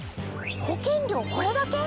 保険料これだけ？